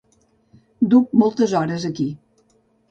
Duc moltes hores aquí.